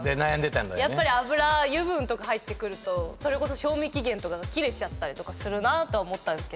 やっぱり油分とか入ってくるとそれこそ賞味期限とかが切れちゃったりとかするなと。